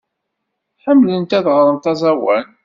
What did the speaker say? Ḥemmlent ad ɣrent aẓawan.